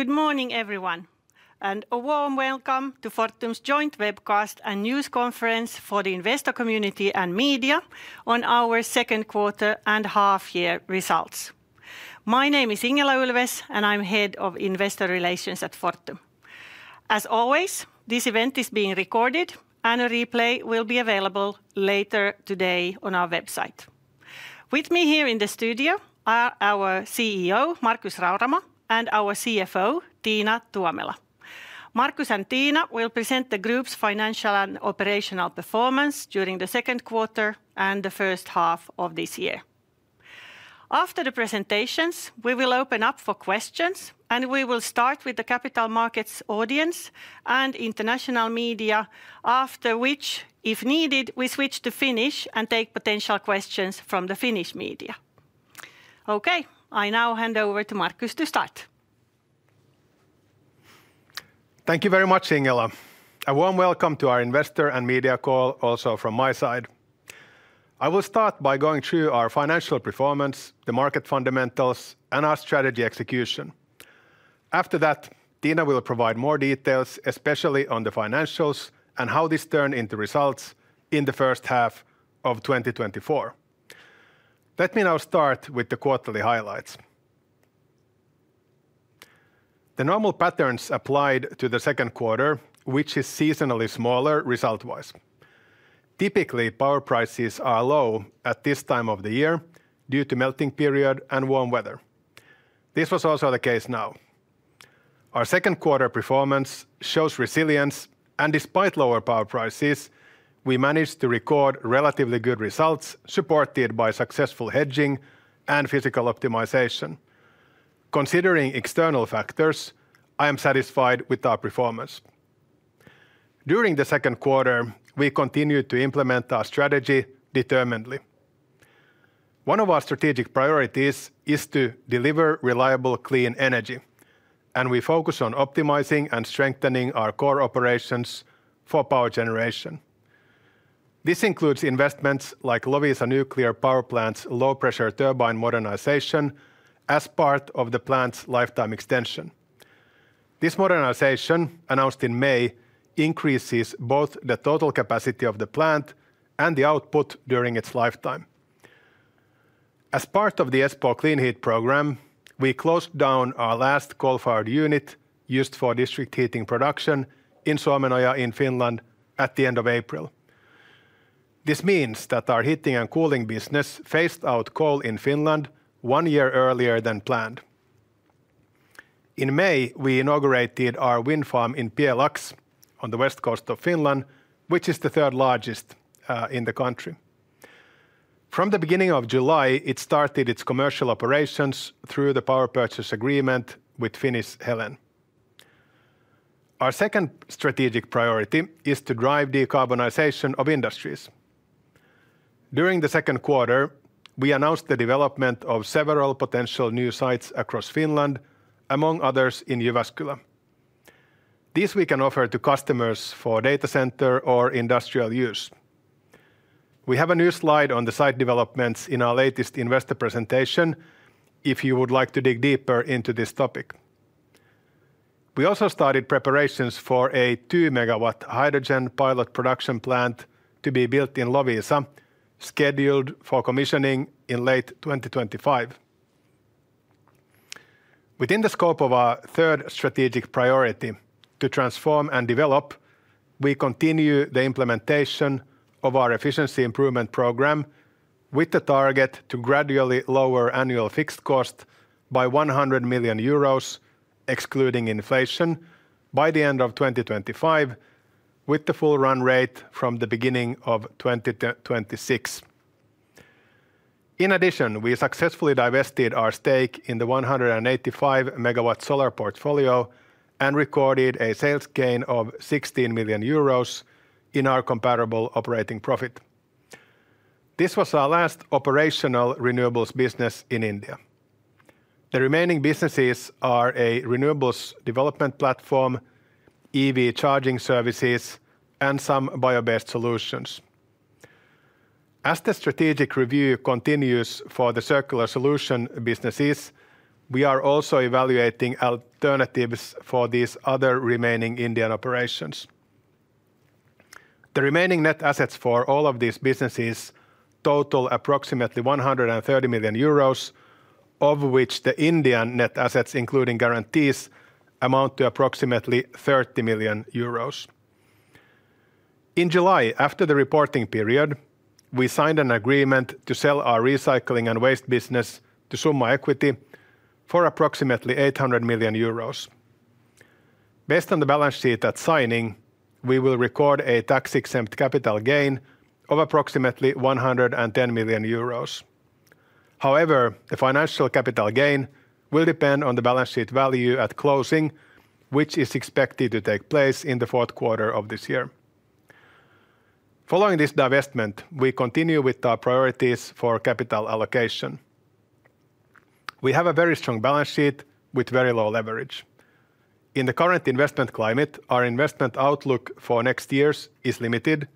Good morning, everyone, and a warm welcome to Fortum's joint webcast and news conference for the investor community and media on our second quarter and half year results. My name is Ingela Ulfves, and I'm Head of Investor Relations at Fortum. As always, this event is being recorded, and a replay will be available later today on our website. With me here in the studio are our CEO, Markus Rauramo, and our CFO, Tiina Tuomela. Markus and Tiina will present the group's financial and operational performance during the second quarter and the first half of this year. After the presentations, we will open up for questions, and we will start with the capital markets audience and international media. After which, if needed, we switch to Finnish and take potential questions from the Finnish media. Okay, I now hand over to Markus to start. Thank you very much, Ingela. A warm welcome to our investor and media call also from my side. I will start by going through our financial performance, the market fundamentals, and our strategy execution. After that, Tiina will provide more details, especially on the financials and how this turned into results in the first half of 2024. Let me now start with the quarterly highlights. The normal patterns applied to the second quarter, which is seasonally smaller result-wise. Typically, power prices are low at this time of the year due to melting period and warm weather. This was also the case now. Our second quarter performance shows resilience, and despite lower power prices, we managed to record relatively good results, supported by successful hedging and physical optimization. Considering external factors, I am satisfied with our performance. During the second quarter, we continued to implement our strategy determinedly. One of our strategic priorities is to deliver reliable, clean energy, and we focus on optimizing and strengthening our core operations for power generation. This includes investments like Loviisa Nuclear Power Plant's low-pressure turbine modernization as part of the plant's lifetime extension. This modernization, announced in May, increases both the total capacity of the plant and the output during its lifetime. As part of the Espoo Clean Heat program, we closed down our last coal-fired unit used for district heating production in Suomenoja, in Finland, at the end of April. This means that our heating and cooling business phased out coal in Finland one year earlier than planned. In May, we inaugurated our wind farm in Pjelax, on the west coast of Finland, which is the third largest in the country. From the beginning of July, it started its commercial operations through the power purchase agreement with Finnish Helen. Our second strategic priority is to drive decarbonization of industries. During the second quarter, we announced the development of several potential new sites across Finland, among others in Jyväskylä. This we can offer to customers for data center or industrial use. We have a new slide on the site developments in our latest investor presentation if you would like to dig deeper into this topic. We also started preparations for a 2-megawatt hydrogen pilot production plant to be built in Loviisa, scheduled for commissioning in late 2025. Within the scope of our third strategic priority, to transform and develop, we continue the implementation of our efficiency improvement program with the target to gradually lower annual fixed cost by 100 million euros, excluding inflation, by the end of 2025, with the full run rate from the beginning of 2026. In addition, we successfully divested our stake in the 185-megawatt solar portfolio and recorded a sales gain of 16 million euros in our comparable operating profit. This was our last operational renewables business in India. The remaining businesses are a renewables development platform, EV charging services, and some bio-based solutions. As the strategic review continues for the circular solution businesses, we are also evaluating alternatives for these other remaining Indian operations. The remaining net assets for all of these businesses total approximately 130 million euros, of which the Indian net assets, including guarantees, amount to approximately 30 million euros. In July, after the reporting period, we signed an agreement to sell our recycling and waste business to Summa Equity for approximately 800 million euros. Based on the balance sheet at signing, we will record a tax-exempt capital gain of approximately 110 million euros. However, the financial capital gain will depend on the balance sheet value at closing, which is expected to take place in the fourth quarter of this year. Following this divestment, we continue with our priorities for capital allocation. We have a very strong balance sheet with very low leverage. In the current investment climate, our investment outlook for next years is limited...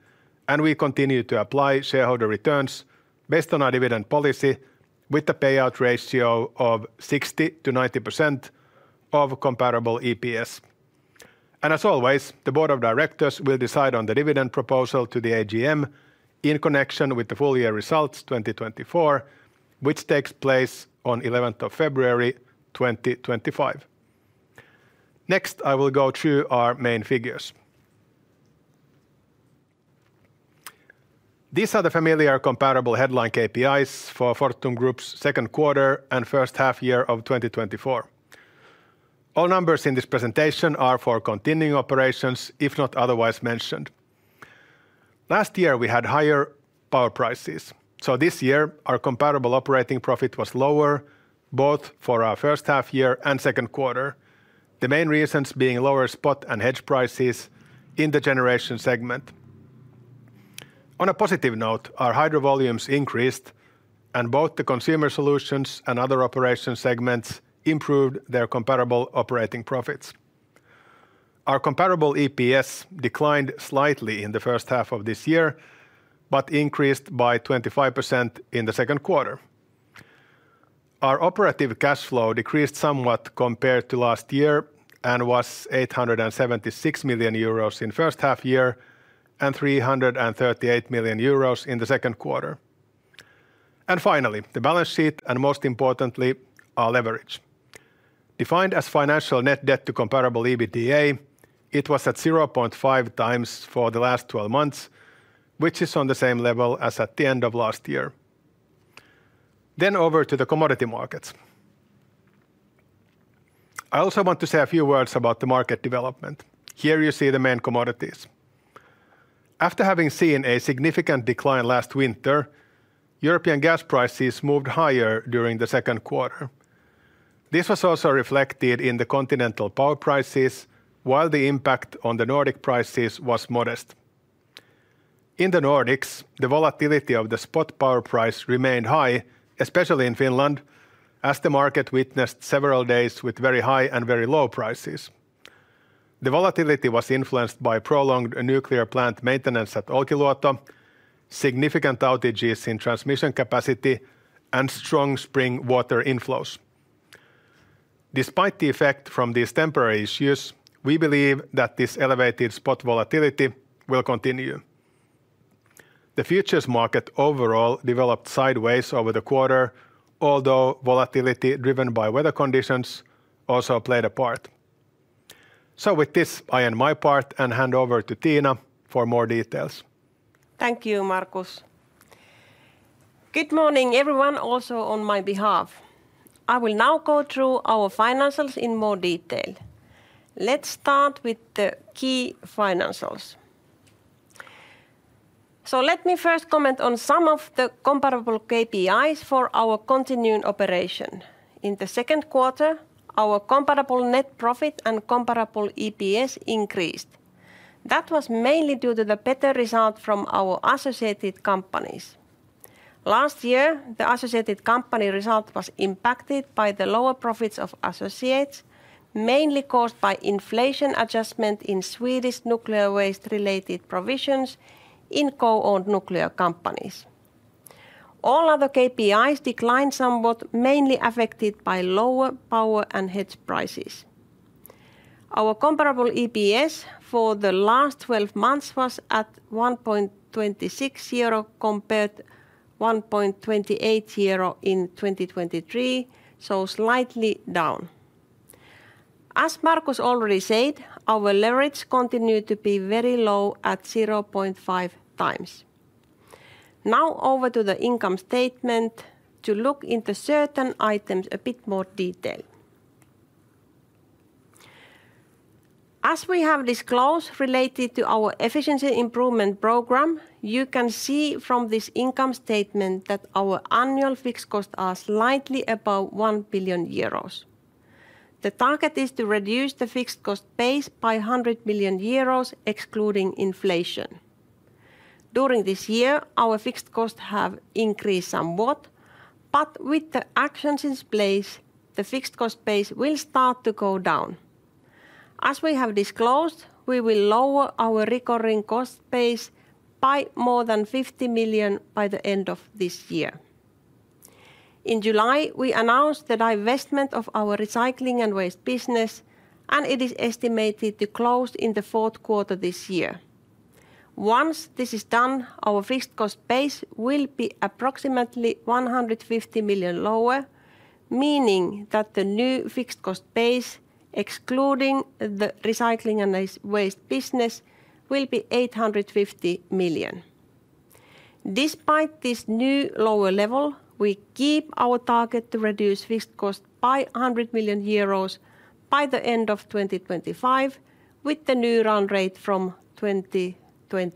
and we continue to apply shareholder returns based on our dividend policy, with the payout ratio of 60%-90% of Comparable EPS. And as always, the board of directors will decide on the dividend proposal to the AGM in connection with the full-year results 2024, which takes place on 11th of February, 2025. Next, I will go through our main figures. These are the familiar comparable headline KPIs for Fortum Group's second quarter and first half year of 2024. All numbers in this presentation are for continuing operations, if not otherwise mentioned. Last year, we had higher power prices, so this year our comparable operating profit was lower, both for our first half year and second quarter. The main reasons being lower spot and hedge prices in the generation segment. On a positive note, our hydro volumes increased, and both the consumer solutions and other operations segments improved their comparable operating profits. Our comparable EPS declined slightly in the first half of this year, but increased by 25% in the second quarter. Our operating cash flow decreased somewhat compared to last year and was 876 million euros in first half year, and 338 million euros in the second quarter. And finally, the balance sheet, and most importantly, our leverage. Defined as financial net debt to comparable EBITDA, it was at 0.5 times for the last 12 months, which is on the same level as at the end of last year. Then over to the commodity markets. I also want to say a few words about the market development. Here you see the main commodities. After having seen a significant decline last winter, European gas prices moved higher during the second quarter. This was also reflected in the continental power prices, while the impact on the Nordic prices was modest. In the Nordics, the volatility of the spot power price remained high, especially in Finland, as the market witnessed several days with very high and very low prices. The volatility was influenced by prolonged nuclear plant maintenance at Olkiluoto, significant outages in transmission capacity, and strong spring water inflows. Despite the effect from these temporary issues, we believe that this elevated spot volatility will continue. The futures market overall developed sideways over the quarter, although volatility driven by weather conditions also played a part. So with this, I end my part and hand over to Tiina for more details. Thank you, Markus. Good morning, everyone, also on my behalf. I will now go through our financials in more detail. Let's start with the key financials. Let me first comment on some of the comparable KPIs for our continuing operation. In the second quarter, our comparable net profit and comparable EPS increased. That was mainly due to the better result from our associated companies. Last year, the associated company result was impacted by the lower profits of associates, mainly caused by inflation adjustment in Swedish nuclear waste-related provisions in co-owned nuclear companies. All other KPIs declined somewhat, mainly affected by lower power and hedge prices. Our comparable EPS for the last twelve months was at 1.26 euro, compared 1.28 euro in 2023, so slightly down. As Markus already said, our leverage continued to be very low at 0.5 times. Now, over to the income statement to look into certain items a bit more detail. As we have disclosed related to our efficiency improvement program, you can see from this income statement that our annual fixed costs are slightly above 1 billion euros. The target is to reduce the fixed cost base by 100 million euros, excluding inflation. During this year, our fixed costs have increased somewhat, but with the actions in place, the fixed cost base will start to go down. As we have disclosed, we will lower our recurring cost base by more than 50 million by the end of this year. In July, we announced the divestment of our recycling and waste business, and it is estimated to close in the fourth quarter this year. Once this is done, our fixed cost base will be approximately 150 million lower, meaning that the new fixed cost base, excluding the recycling and waste business, will be 850 million. Despite this new lower level, we keep our target to reduce fixed cost by 100 million euros by the end of 2025, with the new run rate from 2026. In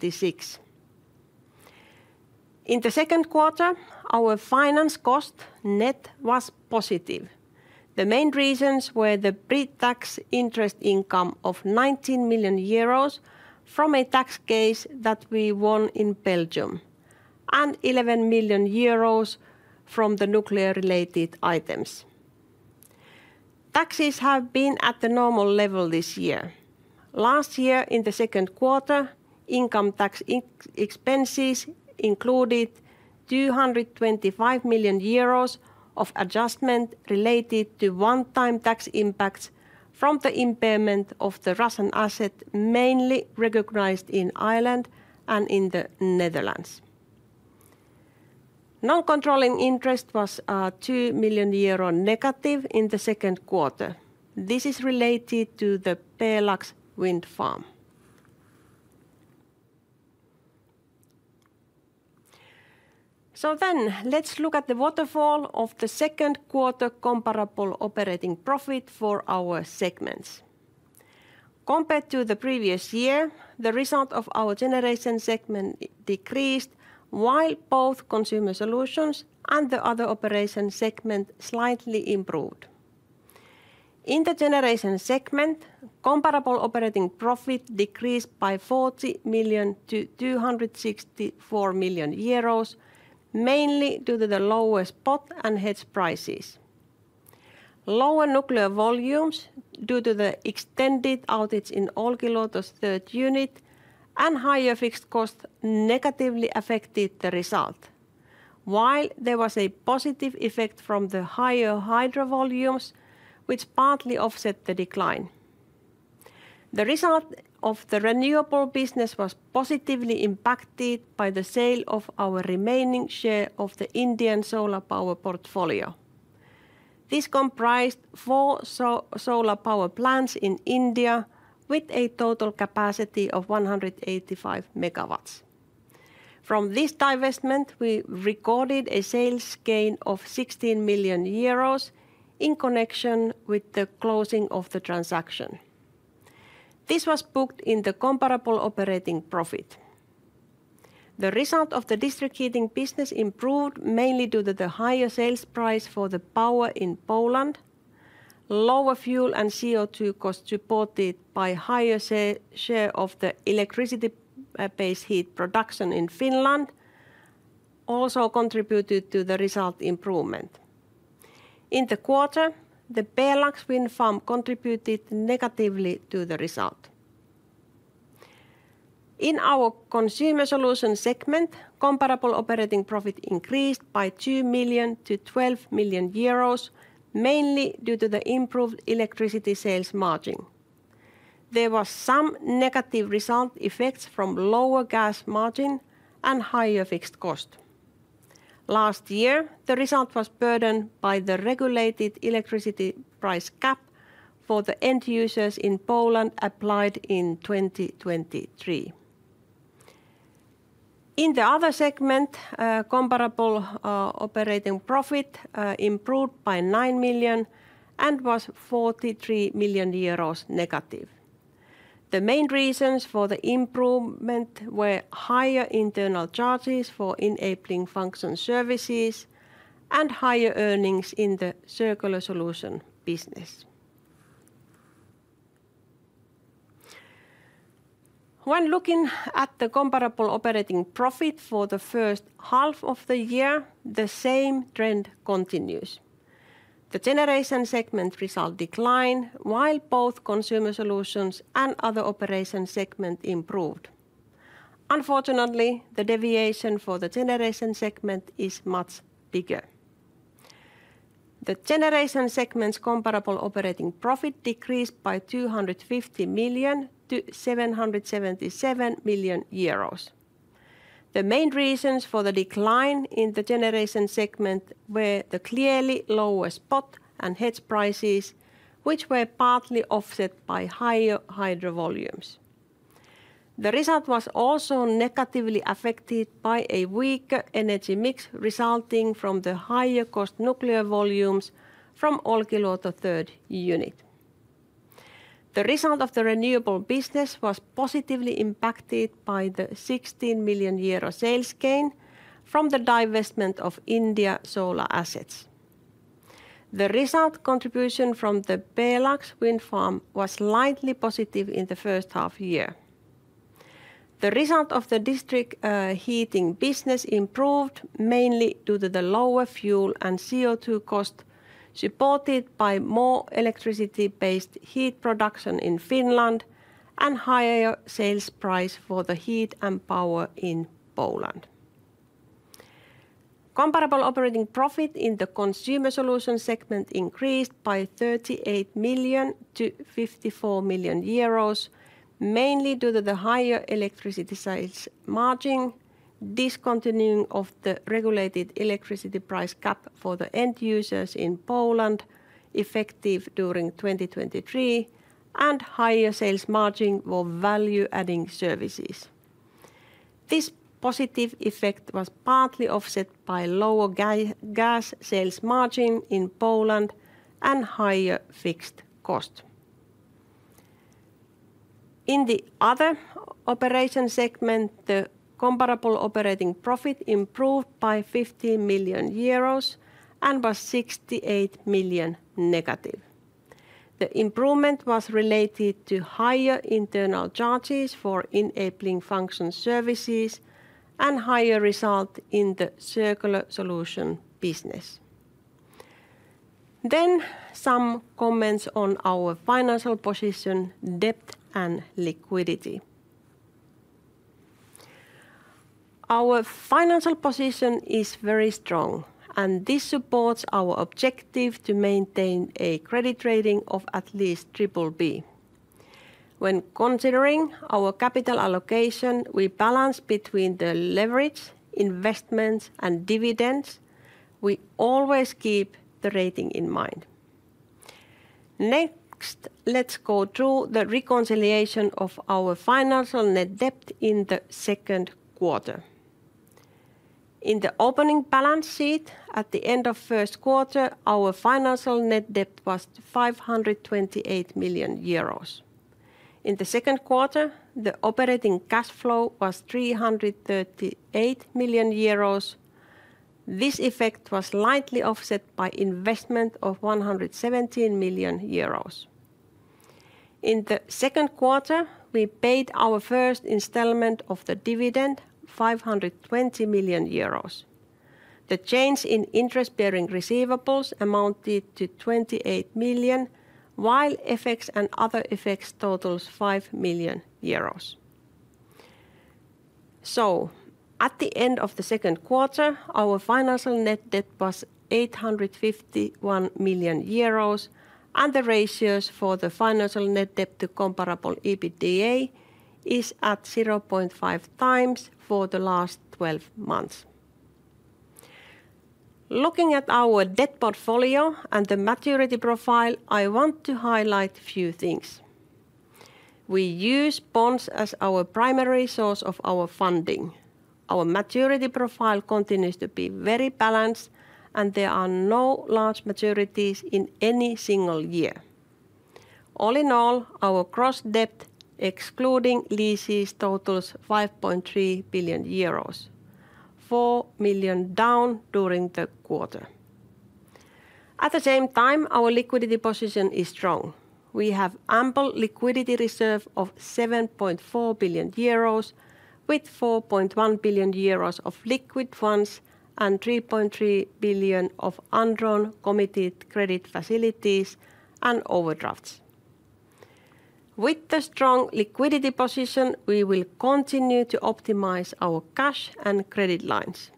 the second quarter, our finance cost net was positive. The main reasons were the pre-tax interest income of 19 million euros from a tax case that we won in Belgium, and 11 million euros from the nuclear-related items. Taxes have been at the normal level this year. Last year, in the second quarter, income tax expenses included 225 million euros of adjustment related to one-time tax impacts from the impairment of the Russian asset, mainly recognized in Ireland and in the Netherlands. Non-controlling interest was 2 million euro negative in the second quarter. This is related to the Pjelax wind farm. Let's look at the waterfall of the second quarter comparable operating profit for our segments. Compared to the previous year, the result of our generation segment decreased, while both consumer solutions and the other operation segment slightly improved. In the generation segment, comparable operating profit decreased by 40 million to 264 million euros, mainly due to the lower spot and hedge prices. Lower nuclear volumes, due to the extended outage in Olkiluoto third unit, and higher fixed costs negatively affected the result. While there was a positive effect from the higher hydro volumes, which partly offset the decline. The result of the renewable business was positively impacted by the sale of our remaining share of the Indian solar power portfolio. This comprised four solar power plants in India, with a total capacity of 185 MW. From this divestment, we recorded a sales gain of 16 million euros in connection with the closing of the transaction. This was booked in the comparable operating profit. The result of the district heating business improved mainly due to the higher sales price for the power in Poland. Lower fuel and CO2 costs, supported by higher share of the electricity base heat production in Finland, also contributed to the result improvement. In the quarter, the Pjelax wind farm contributed negatively to the result. In our consumer solution segment, comparable operating profit increased by 2 million to 12 million euros, mainly due to the improved electricity sales margin. There was some negative result effects from lower gas margin and higher fixed cost. Last year, the result was burdened by the regulated electricity price cap for the end users in Poland applied in 2023. In the other segment, comparable operating profit improved by 9 million and was negative 43 million euros. The main reasons for the improvement were higher internal charges for enabling function services and higher earnings in the circular solution business. When looking at the comparable operating profit for the first half of the year, the same trend continues. The generation segment result decline, while both consumer solutions and other operation segment improved. Unfortunately, the deviation for the generation segment is much bigger. The generation segment's comparable operating profit decreased by 250 million to 777 million euros. The main reasons for the decline in the generation segment were the clearly lower spot and hedge prices, which were partly offset by higher hydro volumes. The result was also negatively affected by a weaker energy mix, resulting from the higher cost nuclear volumes from Olkiluoto third unit. The result of the renewable business was positively impacted by the 16 million euro sales gain from the divestment of India solar assets. The result contribution from the Belux wind farm was slightly positive in the first half year. The result of the district heating business improved mainly due to the lower fuel and CO2 cost, supported by more electricity-based heat production in Finland and higher sales price for the heat and power in Poland. Comparable operating profit in the consumer solutions segment increased by 38 million to 54 million euros, mainly due to the higher electricity sales margin, discontinuation of the regulated electricity price cap for the end users in Poland, effective during 2023, and higher sales margin for value-adding services. This positive effect was partly offset by lower gas sales margin in Poland and higher fixed cost. In the other operations segment, the comparable operating profit improved by 50 million euros and was -68 million. The improvement was related to higher internal charges for enabling function services and higher result in the circular solutions business. Then, some comments on our financial position, debt, and liquidity. Our financial position is very strong, and this supports our objective to maintain a credit rating of at least BBB. When considering our capital allocation, we balance between the leverage, investments, and dividends. We always keep the rating in mind. Next, let's go through the reconciliation of our financial net debt in the second quarter. In the opening balance sheet, at the end of first quarter, our financial net debt was 528 million euros. In the second quarter, the operating cash flow was 338 million euros. This effect was slightly offset by investment of 117 million euros. In the second quarter, we paid our first installment of the dividend, 520 million euros. The change in interest-bearing receivables amounted to 28 million, while effects and other effects totals 5 million euros. So, at the end of the second quarter, our financial net debt was 851 million euros, and the ratios for the financial net debt to comparable EBITDA is at 0.5x for the last twelve months. Looking at our debt portfolio and the maturity profile, I want to highlight a few things. We use bonds as our primary source of our funding. Our maturity profile continues to be very balanced, and there are no large maturities in any single year. All in all, our gross debt, excluding leases, totals 5.3 billion euros, 4 million down during the quarter. At the same time, our liquidity position is strong. We have ample liquidity reserve of 7.4 billion euros, with 4.1 billion euros of liquid funds and 3.3 billion EUR of undrawn committed credit facilities and overdrafts. With the strong liquidity position, we will continue to optimize our cash and credit lines.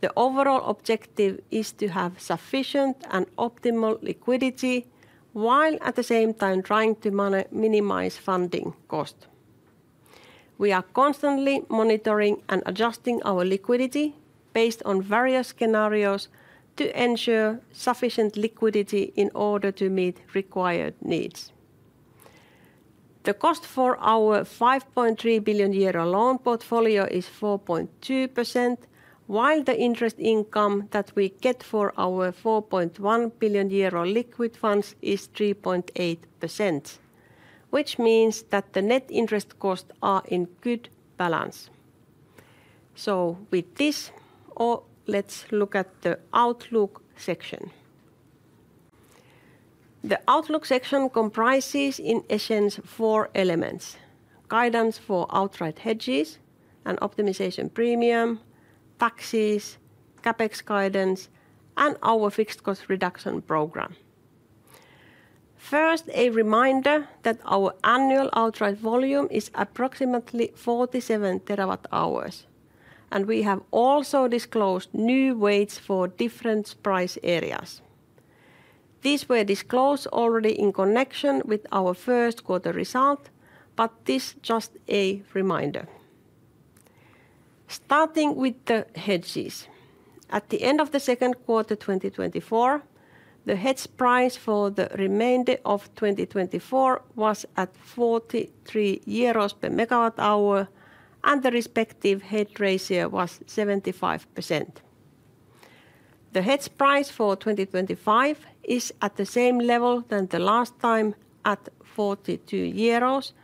The overall objective is to have sufficient and optimal liquidity, while at the same time trying to minimize funding cost. We are constantly monitoring and adjusting our liquidity based on various scenarios to ensure sufficient liquidity in order to meet required needs. The cost for our 5.3 billion euro loan portfolio is 4.2%, while the interest income that we get for our 4.1 billion euro liquid funds is 3.8%, which means that the net interest costs are in good balance. So with this, let's look at the Outlook section. The Outlook section comprises, in essence, four elements: guidance for outright hedges and optimization premium, taxes, CapEx guidance, and our fixed cost reduction program. First, a reminder that our annual outright volume is approximately 47 TWh, and we have also disclosed new weights for different price areas. These were disclosed already in connection with our first quarter result, but this just a reminder. Starting with the hedges. At the end of the second quarter, 2024, the hedge price for the remainder of 2024 was at 43 euros per MWh, and the respective hedge ratio was 75%. The hedge price for 2025 is at the same level than the last time, at 42 euros,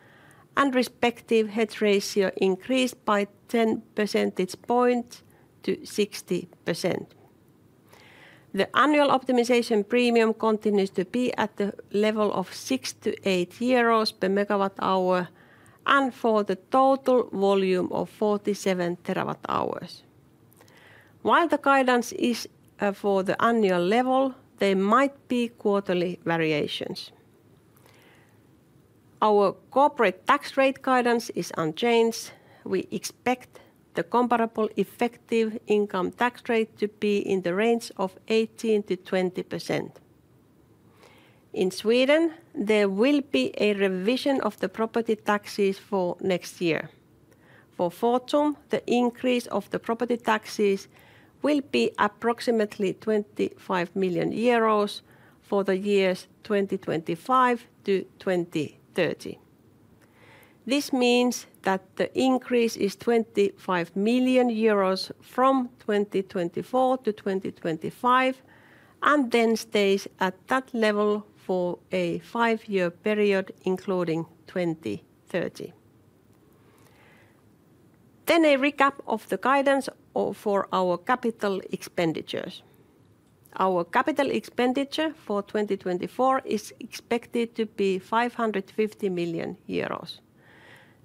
and respective hedge ratio increased by ten percentage points to 60%. The annual optimization premium continues to be at the level of 6-8 euros per MWh and for the total volume of 47 TWh. While the guidance is for the annual level, there might be quarterly variations. Our corporate tax rate guidance is unchanged. We expect the comparable effective income tax rate to be in the range of 18%-20%. In Sweden, there will be a revision of the property taxes for next year. For Fortum, the increase of the property taxes will be approximately 25 million euros for the years 2025 to 2030. This means that the increase is 25 million euros from 2024 to 2025, and then stays at that level for a 5-year period, including 2030. Then a recap of the guidance of, for our capital expenditures. Our capital expenditure for 2024 is expected to be 550 million euros.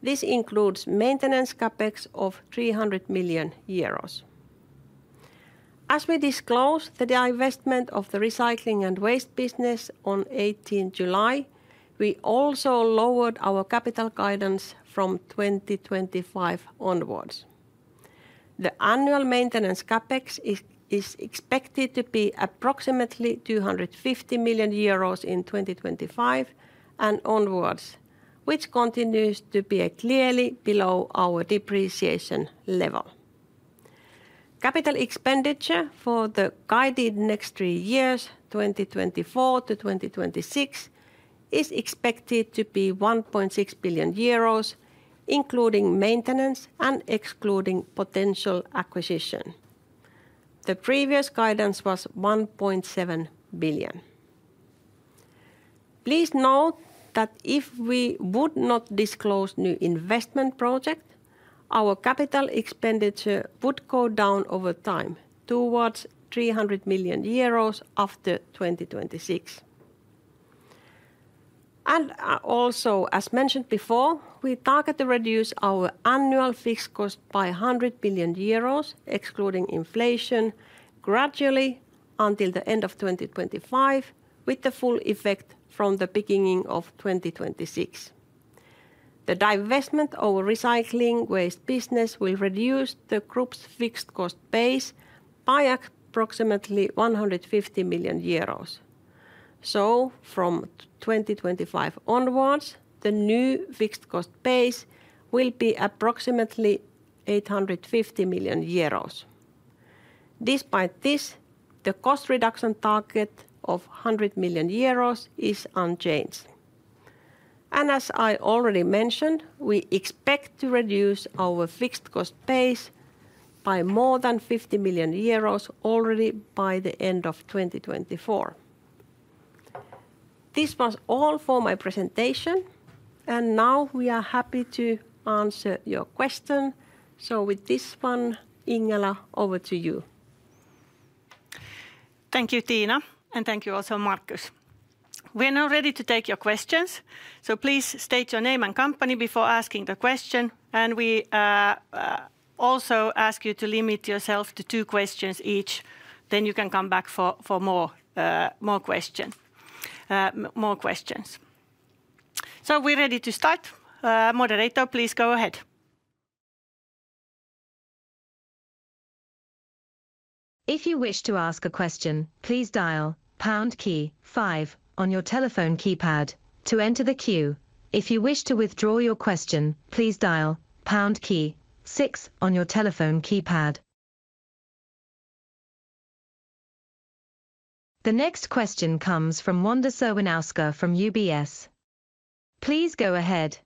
This includes maintenance CapEx of 300 million euros. As we disclosed the divestment of the recycling and waste business on 18 July, we also lowered our capital guidance from 2025 onwards. The annual maintenance CapEx is expected to be approximately 250 million euros in 2025 and onwards, which continues to be clearly below our depreciation level. Capital expenditure for the guidance next three years, 2024 to 2026, is expected to be 1.6 billion euros, including maintenance and excluding potential acquisition. The previous guidance was 1.7 billion. Please note that if we would not disclose new investment project, our capital expenditure would go down over time towards 300 million euros after 2026. And, also, as mentioned before, we target to reduce our annual fixed cost by 100 million euros, excluding inflation, gradually until the end of 2025, with the full effect from the beginning of 2026. The divestment of recycling and waste business will reduce the group's fixed cost base by approximately 150 million euros. So from 2025 onwards, the new fixed cost base will be approximately 850 million euros. Despite this, the cost reduction target of 100 million euros is unchanged. As I already mentioned, we expect to reduce our fixed cost base by more than 50 million euros already by the end of 2024. This was all for my presentation, and now we are happy to answer your question. With this one, Ingela, over to you. Thank you, Tiina, and thank you also, Markus. We're now ready to take your questions, so please state your name and company before asking the question, and we also ask you to limit yourself to two questions each, then you can come back for more questions. So we're ready to start. Moderator, please go ahead. If you wish to ask a question, please dial pound key five on your telephone keypad to enter the queue. If you wish to withdraw your question, please dial pound key six on your telephone keypad. The next question comes from Wanda Serwinowska from UBS. Please go ahead.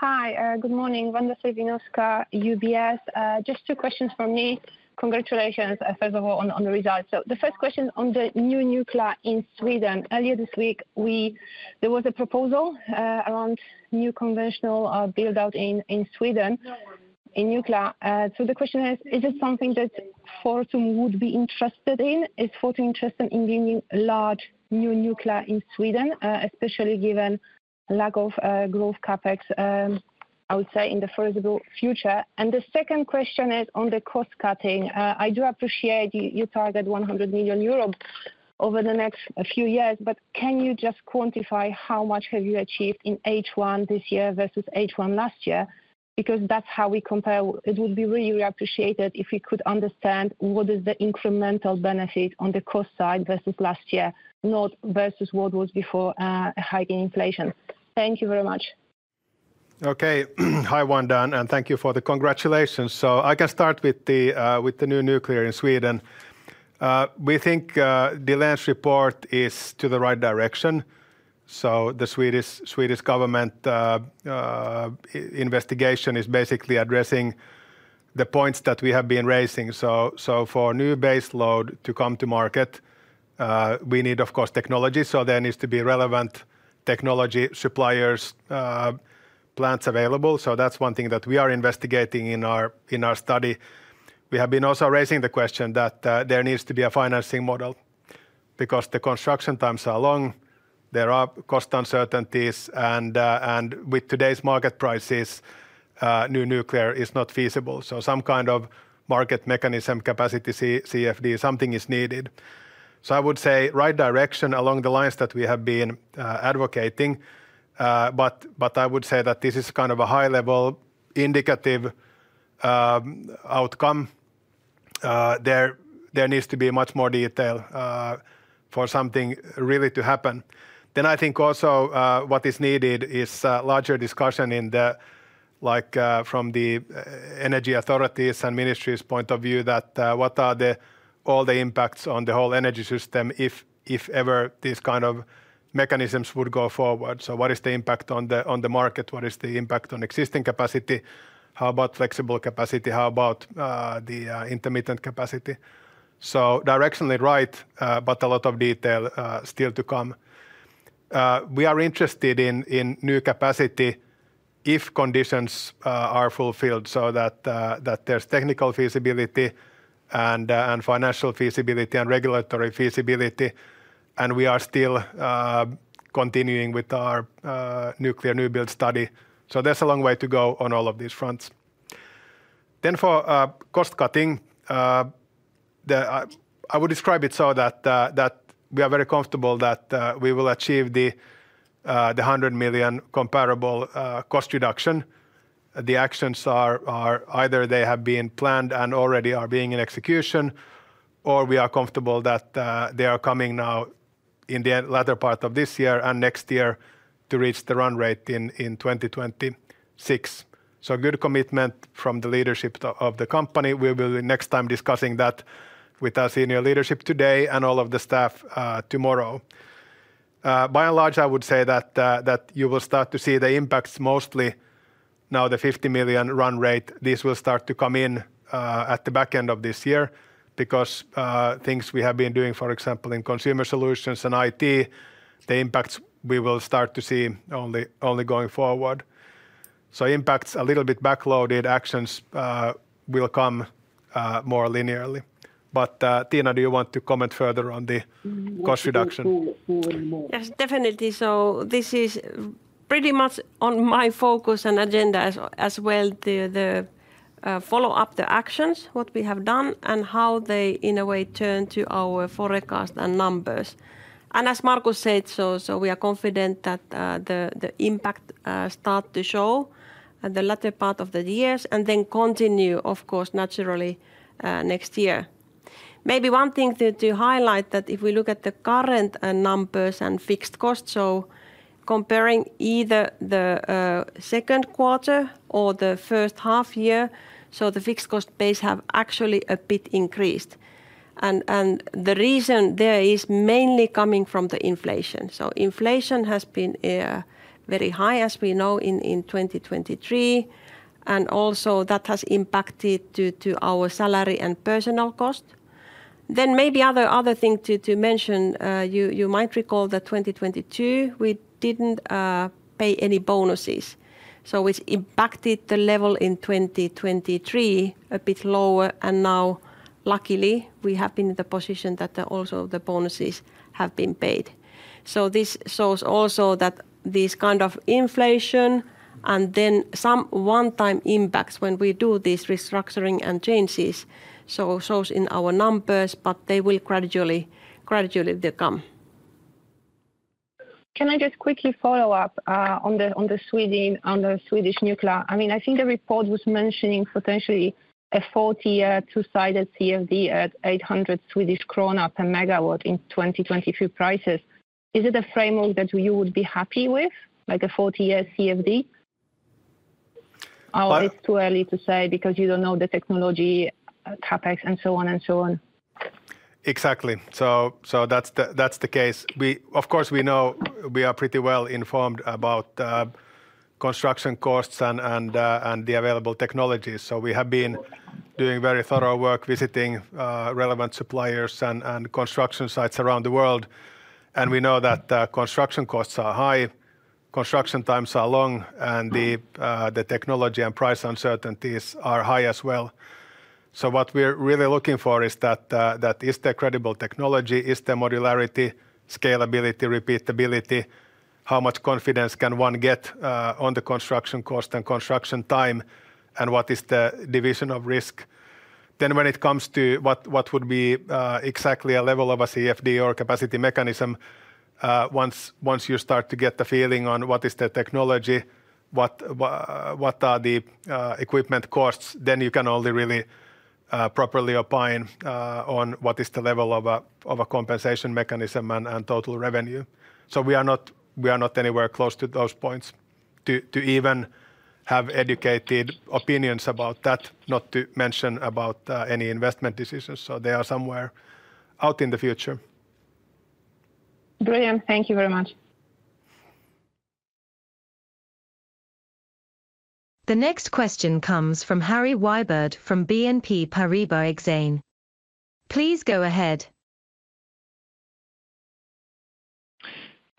Hi, good morning, Wanda Serwinowska, UBS. Just two questions from me. Congratulations, first of all, on the results. So the first question on the new nuclear in Sweden. Earlier this week, there was a proposal around new conventional build-out in Sweden, in nuclear. So the question is: Is this something that Fortum would be interested in? Is Fortum interested in the new large, new nuclear in Sweden, especially given lack of growth CapEx, I would say, in the foreseeable future? And the second question is on the cost cutting. I do appreciate you target 100 million euros over the next few years, but can you just quantify how much have you achieved in H1 this year versus H1 last year? Because that's how we compare. It would be really appreciated if we could understand what is the incremental benefit on the cost side versus last year, not versus what was before, hiking inflation. Thank you very much. Okay. Hi, Wanda, and thank you for the congratulations. So I can start with the new nuclear in Sweden. We think the last report is to the right direction, so the Swedish government investigation is basically addressing the points that we have been raising. So for new base load to come to market, we need, of course, technology, so there needs to be relevant technology suppliers, plants available. So that's one thing that we are investigating in our study. We have been also raising the question that there needs to be a financing model, because the construction times are long, there are cost uncertainties, and with today's market prices, new nuclear is not feasible. So some kind of market mechanism, capacity CFD, something is needed. So I would say, right direction along the lines that we have been advocating, but I would say that this is kind of a high-level, indicative outcome. There needs to be much more detail for something really to happen. Then I think also, what is needed is larger discussion, like, from the energy authorities and ministries' point of view, that what are all the impacts on the whole energy system if ever these kind of mechanisms would go forward? So what is the impact on the market? What is the impact on existing capacity? How about flexible capacity? How about the intermittent capacity? So directionally right, but a lot of detail still to come. We are interested in new capacity if conditions are fulfilled, so that there's technical feasibility and financial feasibility, and regulatory feasibility, and we are still continuing with our nuclear new build study. So there's a long way to go on all of these fronts. Then for cost cutting, I would describe it so that we are very comfortable that we will achieve the 100 million comparable cost reduction. The actions are either they have been planned and already are being in execution, or we are comfortable that they are coming now in the latter part of this year and next year to reach the run rate in 2026. So a good commitment from the leadership of the company. We will be next time discussing that with our senior leadership today and all of the staff, tomorrow. By and large, I would say that you will start to see the impacts mostly now the 50 million run rate. This will start to come in at the back end of this year because things we have been doing, for example, in consumer solutions and IT, the impacts we will start to see only, only going forward. So impacts a little bit backloaded, actions will come more linearly. But, Tiina, do you want to comment further on the cost reduction? Yes, definitely. So this is pretty much on my focus and agenda as well, the follow up the actions, what we have done, and how they, in a way, turn to our forecast and numbers. And as Markus said, so, so we are confident that the impact start to show at the latter part of the years and then continue, of course, naturally, next year. Maybe one thing to highlight that if we look at the current numbers and fixed costs, so comparing either the second quarter or the first half year, so the fixed cost base have actually a bit increased. And the reason there is mainly coming from the inflation. So inflation has been very high, as we know in 2023, and also that has impacted to our salary and personal cost. Then maybe another thing to mention. You might recall that in 2022, we didn't pay any bonuses, so it's impacted the level in 2023 a bit lower, and now luckily, we have been in the position that also the bonuses have been paid. So this shows also that this kind of inflation and then some one-time impacts when we do this restructuring and changes, so shows in our numbers, but they will gradually come. Can I just quickly follow up on the Swedish nuclear? I mean, I think the report was mentioning potentially a 40-year two-sided CFD at 800 Swedish krona per megawatt in 2023 prices. Is it a framework that you would be happy with, like a 40-year CFD? Well- Or it's too early to say because you don't know the technology, CapEx, and so on and so on? Exactly. So that's the case. Of course, we know we are pretty well informed about construction costs and the available technologies, so we have been doing very thorough work, visiting relevant suppliers and construction sites around the world, and we know that the construction costs are high, construction times are long, and the technology and price uncertainties are high as well. So what we're really looking for is that is the credible technology, is the modularity, scalability, repeatability, how much confidence can one get on the construction cost and construction time, and what is the division of risk? Then when it comes to what would be exactly a level of a CFD or capacity mechanism, once you start to get the feeling on what is the technology, what are the equipment costs, then you can only really properly opine on what is the level of a compensation mechanism and total revenue. So we are not anywhere close to those points to even have educated opinions about that, not to mention about any investment decisions, so they are somewhere out in the future. Brilliant. Thank you very much. The next question comes from Harry Wyburd from Exane BNP Paribas. Please go ahead.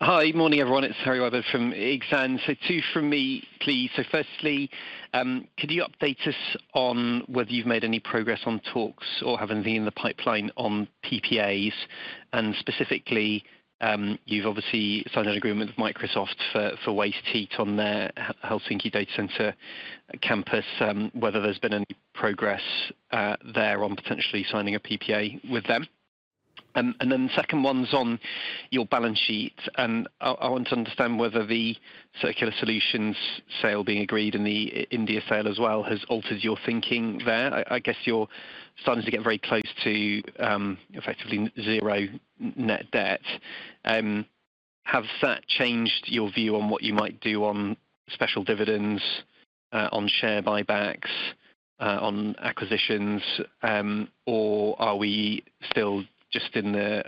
Hi. Morning, everyone. It's Harry Wyburd from Exane. So two from me, please. So firstly, could you update us on whether you've made any progress on talks or have any in the pipeline on PPAs? And specifically, you've obviously signed an agreement with Microsoft for, for waste heat on their Helsinki data center campus, whether there's been any progress there on potentially signing a PPA with them. And then the second one's on your balance sheet, and I want to understand whether the circular solutions sale being agreed and the India sale as well has altered your thinking there. I guess you're starting to get very close to effectively zero net debt. Has that changed your view on what you might do on special dividends, on share buybacks, on acquisitions, or are we still just in the,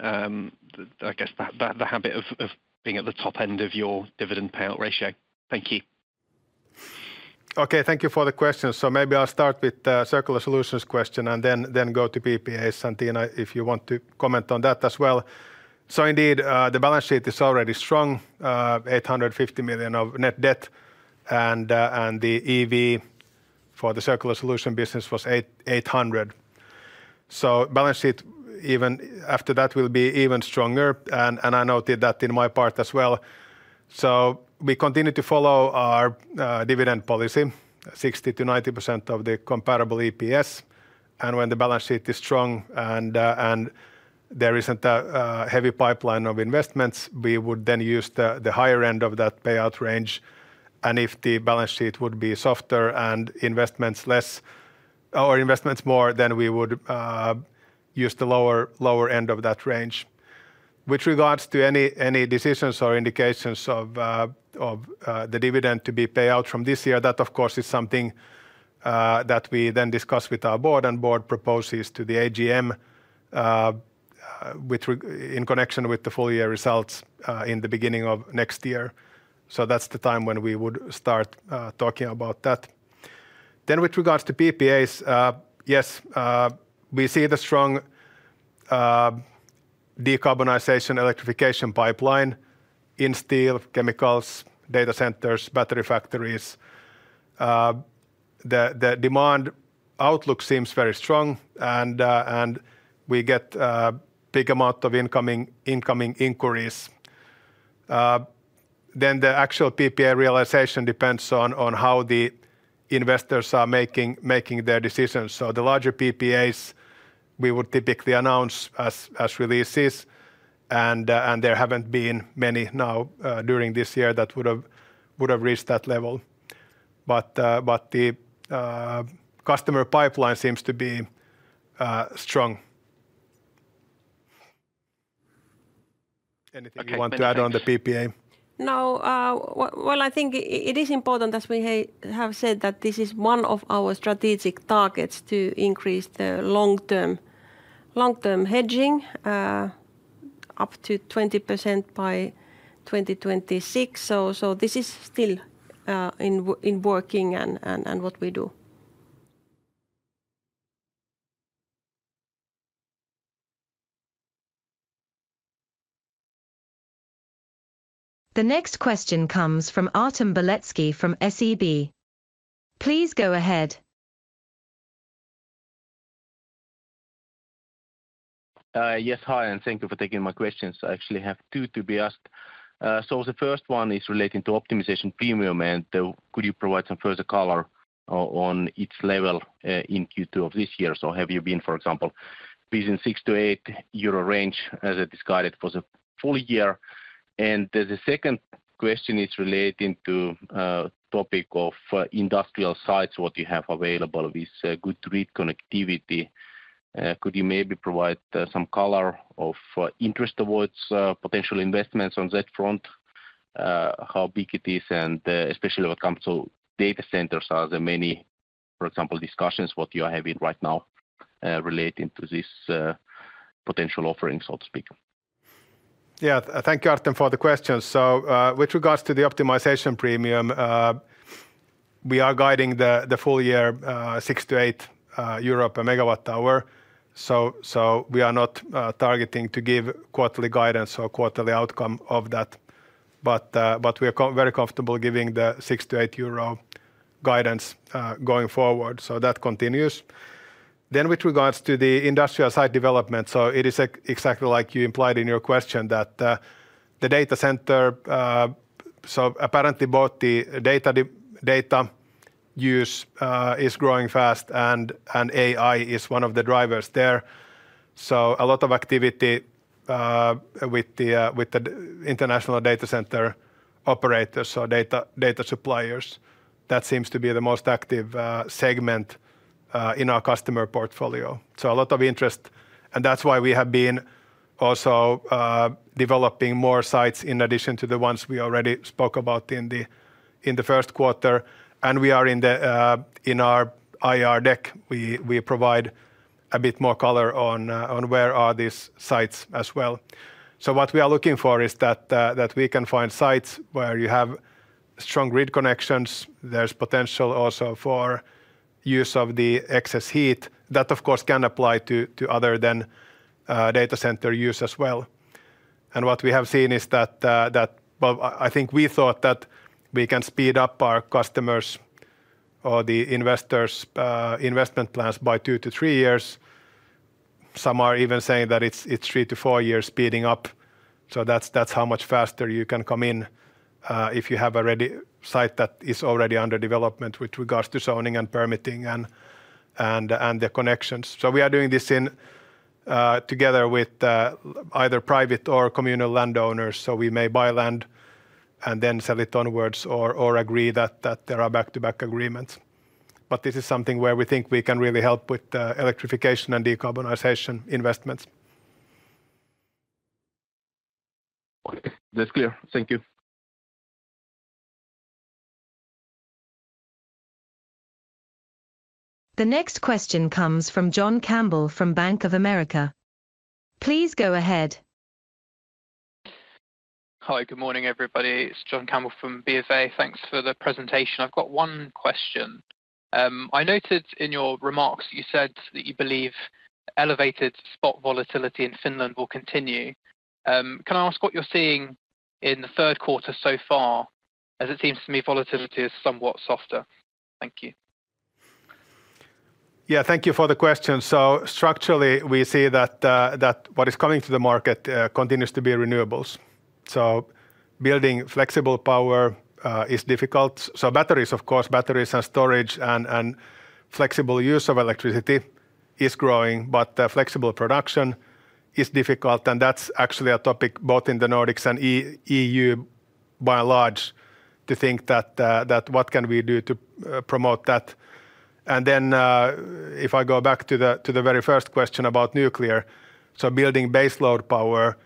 I guess, the habit of being at the top end of your dividend payout ratio? Thank you. Okay, thank you for the question. So maybe I'll start with the Circular Solutions question, and then go to PPAs, and Tiina, if you want to comment on that as well. So indeed, the balance sheet is already strong, 850 million of net debt, and the EV for the Circular Solution business was 800 million. So balance sheet even after that will be even stronger, and I noted that in my part as well. So we continue to follow our dividend policy, 60%-90% of the comparable EPS, and when the balance sheet is strong and there isn't a heavy pipeline of investments, we would then use the higher end of that payout range. And if the balance sheet would be softer and investments less... Or investments more, then we would use the lower end of that range. With regards to any decisions or indications of the dividend to be paid out from this year, that, of course, is something that we then discuss with our board, and board proposes to the AGM in connection with the full-year results in the beginning of next year. So that's the time when we would start talking about that. Then with regards to PPAs, yes, we see the strong decarbonization, electrification pipeline in steel, chemicals, data centers, battery factories. The demand outlook seems very strong, and we get a big amount of incoming inquiries. Then the actual PPA realization depends on how the investors are making their decisions. So the larger PPAs, we would typically announce as releases, and there haven't been many now during this year that would have reached that level. But the customer pipeline seems to be strong. Anything you want to add on the PPA? No, well, I think it is important, as we have said, that this is one of our strategic targets to increase the long-term, long-term hedging, up to 20% by 2026. So, this is still in working and what we do. The next question comes from Artem Beletski from SEB. Please go ahead. Yes, hi, and thank you for taking my questions. I actually have 2 to be asked. So the first one is relating to optimization premium, and could you provide some further color on its level in Q2 of this year? So have you been, for example, between 6-8 euro range, as it is guided for the full year? And the second question is relating to topic of industrial sites, what you have available with good grid connectivity. Could you maybe provide some color of interest towards potential investments on that front? How big it is, and especially when it comes to data centers, are there many, for example, discussions what you are having right now relating to this potential offering, so to speak? Yeah. Thank you, Artem, for the questions. So, with regards to the optimization premium, we are guiding the full year 6-8 EUR per MWh, so we are not targeting to give quarterly guidance or quarterly outcome of that. But we are very comfortable giving the 6-8 euro guidance going forward, so that continues. Then with regards to the industrial site development, so it is exactly like you implied in your question, that the data center. So apparently, both the data use is growing fast, and AI is one of the drivers there. So a lot of activity with the international data center operators or data suppliers. That seems to be the most active segment in our customer portfolio. So a lot of interest, and that's why we have been also developing more sites in addition to the ones we already spoke about in the first quarter. And we are in our IR deck, we provide a bit more color on where these sites are as well. So what we are looking for is that we can find sites where you have strong grid connections. There's potential also for use of the excess heat. That, of course, can apply to other than data center use as well. And what we have seen is that, well, I think we thought that we can speed up our customers' or the investors' investment plans by two to three years. Some are even saying that it's three to four years speeding up, so that's how much faster you can come in, if you have already a site that is already under development with regards to zoning and permitting and the connections. So we are doing this in together with either private or communal landowners. So we may buy land and then sell it onwards or agree that there are back-to-back agreements. But this is something where we think we can really help with electrification and decarbonization investments. Okay, that's clear. Thank you. The next question comes from John Campbell from Bank of America. Please go ahead. Hi, good morning, everybody. It's John Campbell from BofA. Thanks for the presentation. I've got one question. I noted in your remarks, you said that you believe elevated spot volatility in Finland will continue. Can I ask what you're seeing in the third quarter so far? As it seems to me, volatility is somewhat softer. Thank you. Yeah, thank you for the question. So structurally, we see that, that what is coming to the market, continues to be renewables. So building flexible power, is difficult. So batteries, of course, batteries and storage and, and flexible use of electricity is growing, but, flexible production is difficult, and that's actually a topic both in the Nordics and EU, by and large, to think that, that what can we do to, promote that? And then, if I go back to the, to the very first question about nuclear, so building base load power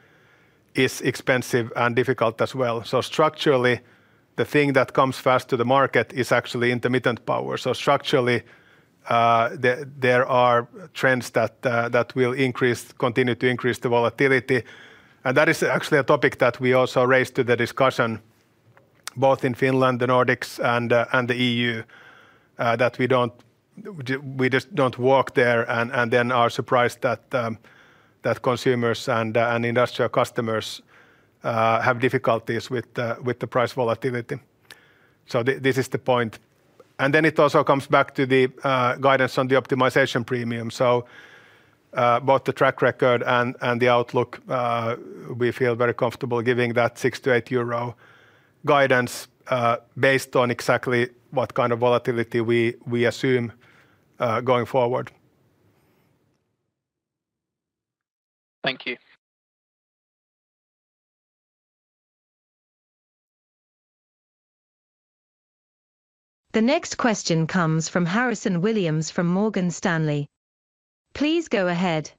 is expensive and difficult as well. So structurally, the thing that comes first to the market is actually intermittent power. So structurally, there, there are trends that, that will increase-- continue to increase the volatility. That is actually a topic that we also raised to the discussion, both in Finland, the Nordics, and the EU. That we don't. We just don't walk there, and then are surprised that consumers and industrial customers have difficulties with the price volatility. So this is the point. And then it also comes back to the guidance on the optimization premium. So both the track record and the outlook, we feel very comfortable giving that 6-8 euro guidance, based on exactly what kind of volatility we assume going forward. Thank you. The next question comes from Harrison Williams from Morgan Stanley. Please go ahead.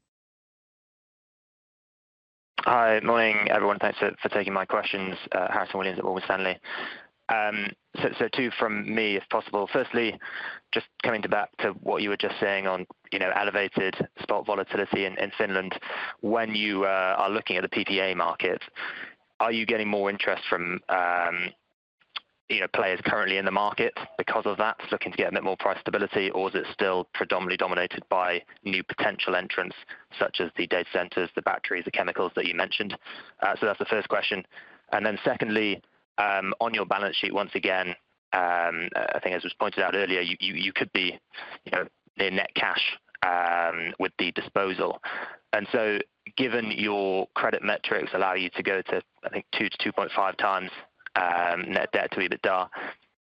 Hi, morning, everyone. Thanks for taking my questions. Harrison Williams at Morgan Stanley. So two from me, if possible. Firstly, just coming back to what you were just saying on, you know, elevated spot volatility in Finland. When you are looking at the PPA market, are you getting more interest from, you know, players currently in the market because of that, looking to get a bit more price stability? Or is it still predominantly dominated by new potential entrants, such as the data centers, the batteries, the chemicals that you mentioned? So that's the first question. And then secondly, on your balance sheet, once again, I think as was pointed out earlier, you could be, you know, in net cash, with the disposal. Given your credit metrics allow you to go to, I think, 2-2.5 times net debt to EBITDA,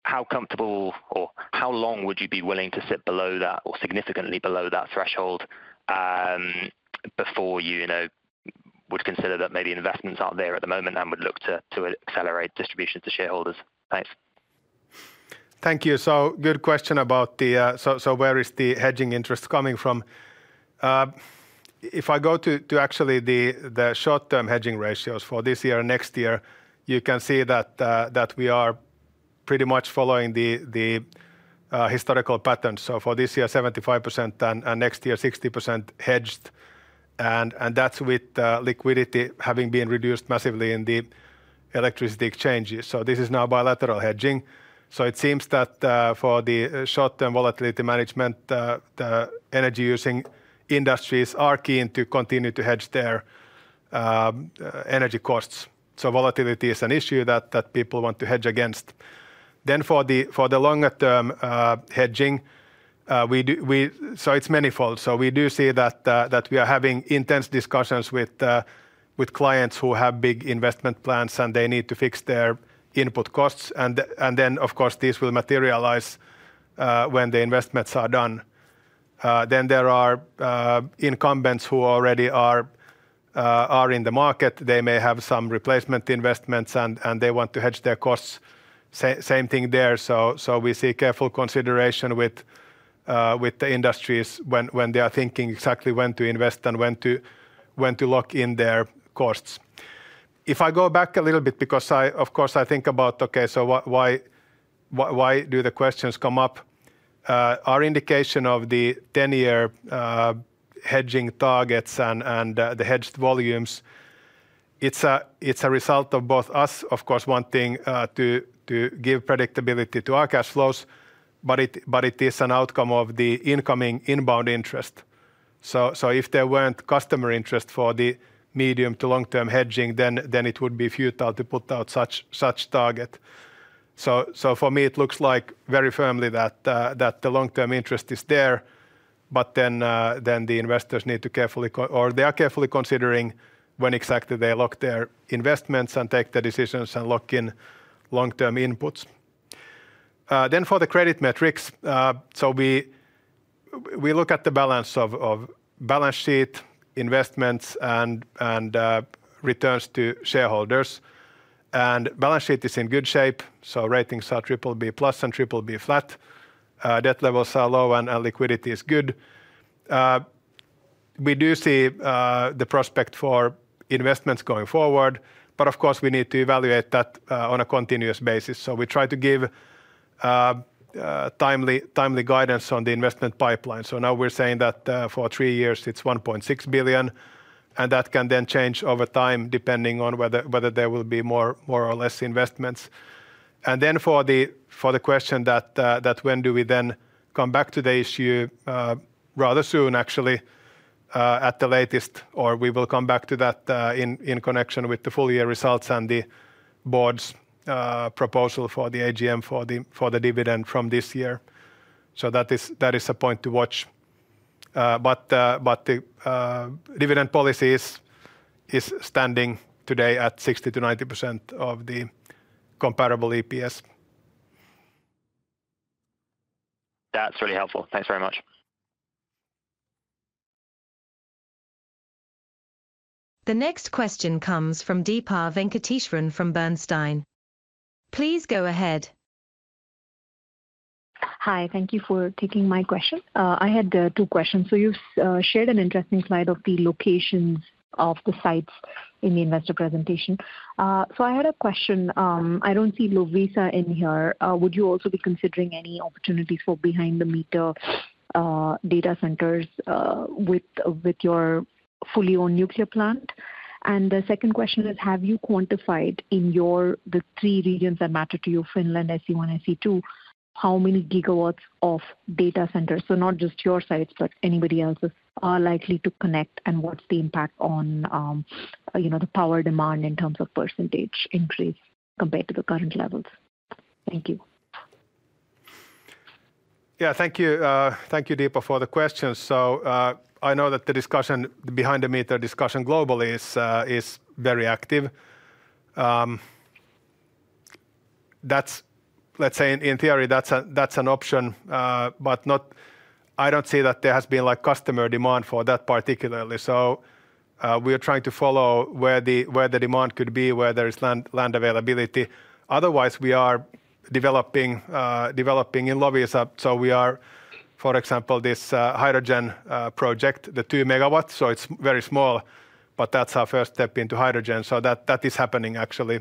how comfortable or how long would you be willing to sit below that or significantly below that threshold, before you, you know, would consider that maybe investments aren't there at the moment and would look to, to accelerate distribution to shareholders? Thanks. Thank you. So good question about the... So where is the hedging interest coming from? If I go to actually the short-term hedging ratios for this year or next year, you can see that we are pretty much following the historical patterns. So for this year, 75%, and next year, 60% hedged, and that's with liquidity having been reduced massively in the electricity exchanges. So this is now bilateral hedging. So it seems that for the short-term volatility management, the energy-using industries are keen to continue to hedge their energy costs. So volatility is an issue that people want to hedge against. Then for the longer term hedging, So it's manifold. So we do see that we are having intense discussions with clients who have big investment plans, and they need to fix their input costs. And then, of course, this will materialize when the investments are done. Then there are incumbents who already are in the market. They may have some replacement investments, and they want to hedge their costs. Same thing there. So we see careful consideration with the industries when they are thinking exactly when to invest and when to lock in their costs. If I go back a little bit, because of course, I think about, okay, so why do the questions come up? Our indication of the ten-year hedging targets and the hedged volumes, it's a result of both us, of course, wanting to give predictability to our cash flows, but it is an outcome of the incoming inbound interest. So if there weren't customer interest for the medium to long-term hedging, then it would be futile to put out such target. So for me, it looks like very firmly that the long-term interest is there, but then the investors need to carefully considering when exactly they lock their investments and take the decisions and lock in long-term inputs. Then for the credit metrics, so we look at the balance of balance sheet investments and returns to shareholders. Balance sheet is in good shape, so ratings are triple B plus and triple B flat. Debt levels are low, and liquidity is good. We do see the prospect for investments going forward, but of course, we need to evaluate that on a continuous basis. So we try to give timely guidance on the investment pipeline. So now we're saying that for three years it's 1.6 billion, and that can then change over time, depending on whether there will be more or less investments. And then for the question that when do we then come back to the issue? Rather soon, actually, at the latest, or we will come back to that, in connection with the full year results and the board's proposal for the AGM for the dividend from this year. So that is a point to watch. But the dividend policy is standing today at 60%-90% of the comparable EPS. That's really helpful. Thanks very much. The next question comes from Deepa Venkateswaran from Bernstein. Please go ahead. Hi, thank you for taking my question. I had two questions. So you've shared an interesting slide of the locations of the sites in the investor presentation. So I had a question. I don't see Loviisa in here. Would you also be considering any opportunities for behind the meter data centers with your fully owned nuclear plant? And the second question is, have you quantified the three regions that matter to you, Finland, SC1, SC2, how many gigawatts of data centers? So not just your sites, but anybody else's, are likely to connect, and what's the impact on you know, the power demand in terms of percentage increase compared to the current levels? Thank you. Yeah, thank you. Thank you, Deepa, for the question. So, I know that the discussion, behind the meter discussion globally is very active. That's. Let's say, in theory, that's an option, but not. I don't see that there has been, like, customer demand for that particularly. So, we are trying to follow where the demand could be, where there is land availability. Otherwise, we are developing in Loviisa. So we are, for example, this hydrogen project, the 2 MW, so it's very small, but that's our first step into hydrogen. So that is happening actually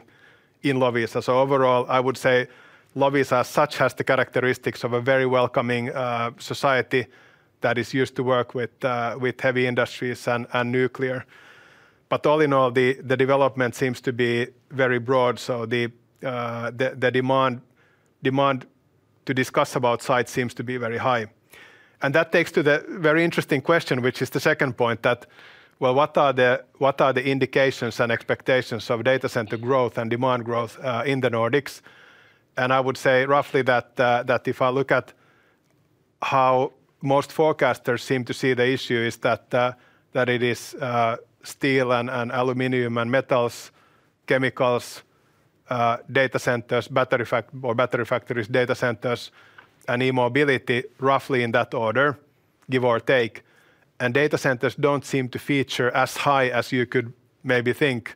in Loviisa. So overall, I would say Loviisa, as such, has the characteristics of a very welcoming society that is used to work with heavy industries and nuclear. But all in all, the development seems to be very broad, so the demand to discuss about sites seems to be very high. And that takes to the very interesting question, which is the second point, that, well, what are the indications and expectations of data center growth and demand growth in the Nordics? And I would say roughly that if I look at how most forecasters seem to see the issue, is that it is steel and aluminum and metals, chemicals, data centers, battery factories, data centers, and e-mobility, roughly in that order, give or take. And data centers don't seem to feature as high as you could maybe think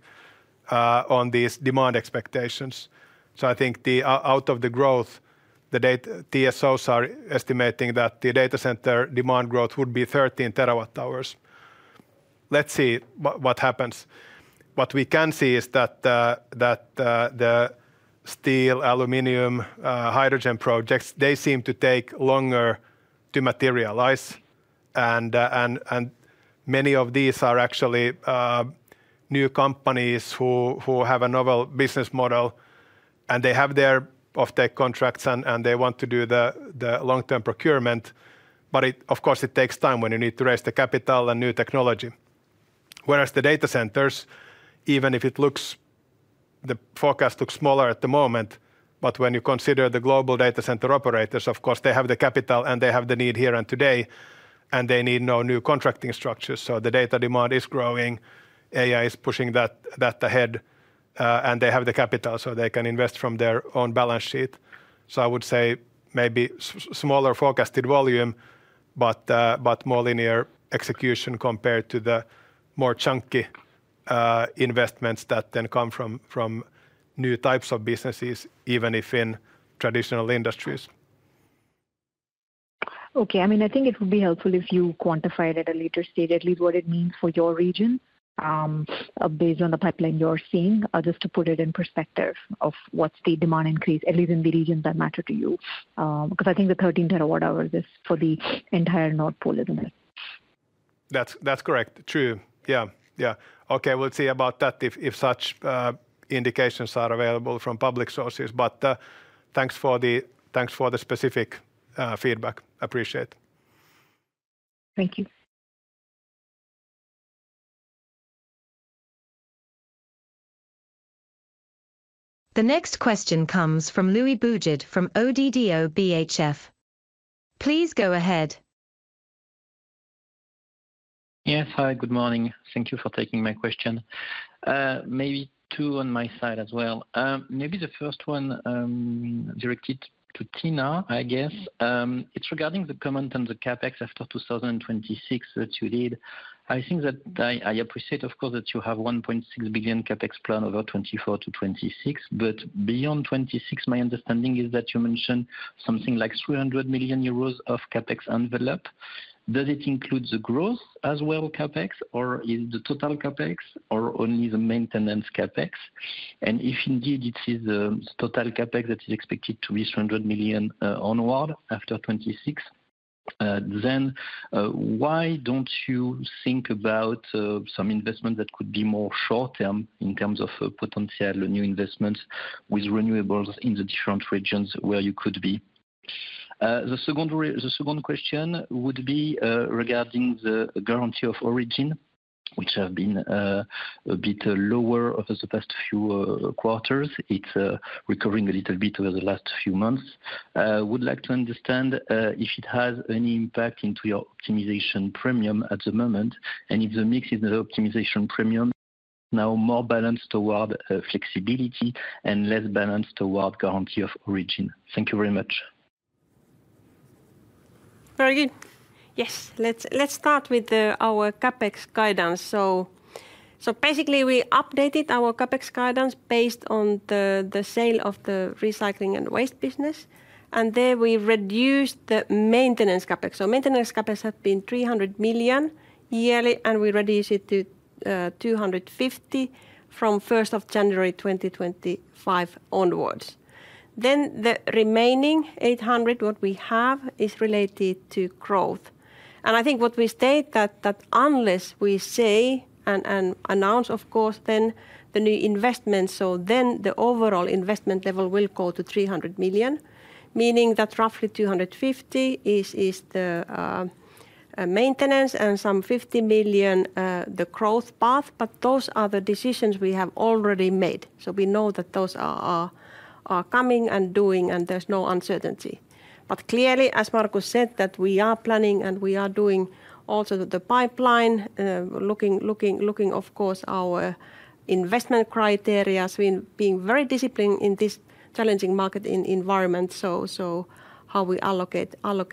on these demand expectations. So I think out of the growth, the TSOs are estimating that the data center demand growth would be 13 TWh. Let's see what happens. What we can see is that the steel, aluminum, hydrogen projects, they seem to take longer to materialize, and many of these are actually new companies who have a novel business model, and they have their offtake contracts, and they want to do the long-term procurement. But of course, it takes time when you need to raise the capital and new technology. Whereas the data centers, even if it looks, the forecast looks smaller at the moment, but when you consider the global data center operators, of course, they have the capital, and they have the need here and today, and they need no new contracting structures. So the data demand is growing. AI is pushing that, that ahead, and they have the capital, so they can invest from their own balance sheet. So I would say maybe smaller forecasted volume, but, but more linear execution compared to the more chunky, investments that then come from, from new types of businesses, even if in traditional industries. Okay. I mean, I think it would be helpful if you quantified at a later stage at least what it means for your region, based on the pipeline you're seeing. Just to put it in perspective of what's the demand increase, at least in the regions that matter to you, because I think the 13 TWh is for the entire Nord Pool, isn't it? That's correct. True. Yeah, yeah. Okay, we'll see about that if such indications are available from public sources. But, thanks for the specific feedback. Appreciate it. Thank you. The next question comes from Louis Boujard from ODDO BHF. Please go ahead. Yes, hi, good morning. Thank you for taking my question. Maybe two on my side as well. Maybe the first one, directed to Tiina, I guess. It's regarding the comment on the CapEx after 2026 that you did. I think that I, I appreciate, of course, that you have 1.6 billion CapEx plan over 2024-2026, but beyond twenty-six, my understanding is that you mentioned something like 300 million euros of CapEx envelope.... Does it include the growth as well, CapEx, or is the total CapEx, or only the maintenance CapEx? If indeed it is the total CapEx that is expected to be 100 million onward after 2026, then why don't you think about some investment that could be more short-term in terms of potential new investments with renewables in the different regions where you could be? The second question would be regarding the Guarantee of Origin, which have been a bit lower over the past few quarters. It's recovering a little bit over the last few months. Would like to understand if it has any impact into your optimization premium at the moment, and if the mix in the optimization premium now more balanced toward flexibility and less balanced toward Guarantee of Origin. Thank you very much. Very good. Yes, let's start with our CapEx guidance. So basically, we updated our CapEx guidance based on the sale of the recycling and waste business, and there we reduced the maintenance CapEx. So maintenance CapEx had been 300 million yearly, and we reduced it to 250 million from January 1, 2025 onwards. Then the remaining 800, what we have, is related to growth. And I think what we state that unless we say and announce, of course, then the new investment, so then the overall investment level will go to 300 million, meaning that roughly 250 is the maintenance and some 50 million the growth path. But those are the decisions we have already made. So we know that those are coming and doing, and there's no uncertainty. But clearly, as Markus said, that we are planning, and we are doing also the pipeline, looking, of course, our investment criteria. We've been very disciplined in this challenging market environment, so how we allocate our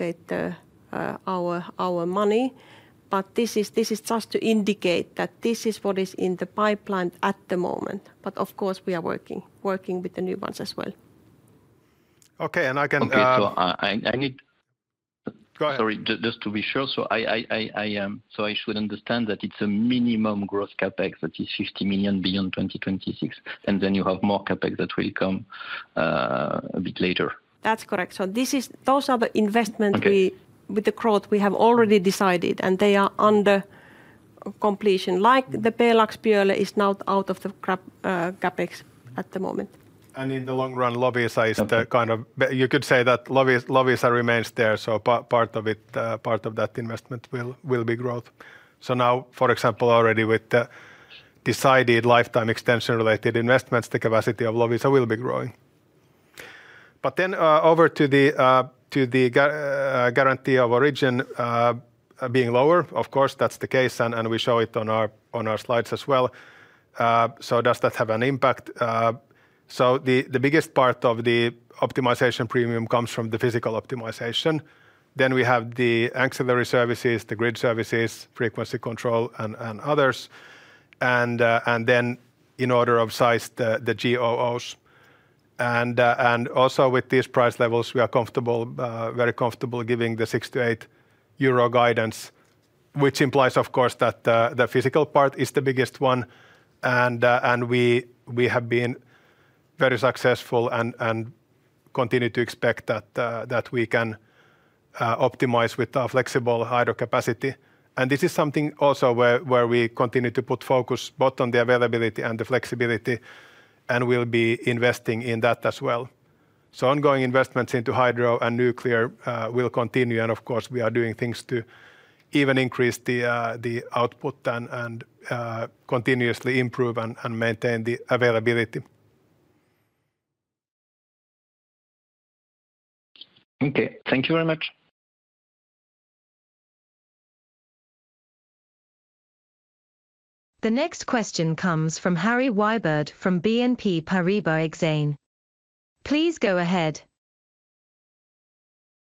money. But this is just to indicate that this is what is in the pipeline at the moment. But of course, we are working with the new ones as well. Okay, and I can, Okay, so I need- Go ahead. Sorry, just to be sure, so I should understand that it's a minimum growth CapEx that is 50 million beyond 2026, and then you have more CapEx that will come, a bit later? That's correct. Those are the investments we- Okay ... with the growth we have already decided, and they are under completion, like the Pjelax is now out of the CapEx at the moment. In the long run, Loviisa is the- Okay... kind of, you could say that Loviisa remains there, so part of it, part of that investment will be growth. So now, for example, already with the decided lifetime extension related investments, the capacity of Loviisa will be growing. But then, over to the Guarantee of Origin being lower, of course, that's the case, and we show it on our slides as well. So does that have an impact? So the biggest part of the optimization premium comes from the physical optimization. Then we have the ancillary services, the grid services, frequency control, and others. And then in order of size, the GOOs. And also with these price levels, we are comfortable, very comfortable giving the 6-8 euro guidance, which implies, of course, that the physical part is the biggest one. And we have been very successful and continue to expect that we can optimize with our flexible hydro capacity. And this is something also where we continue to put focus both on the availability and the flexibility, and we'll be investing in that as well. So ongoing investments into hydro and nuclear will continue, and of course, we are doing things to even increase the output and continuously improve and maintain the availability. Okay, thank you very much. The next question comes from Harry Wyburd, from Exane BNP Paribas. Please go ahead.